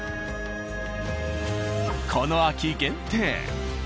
この秋限定！